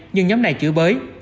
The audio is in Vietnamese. nhưng nhóm này chửi bới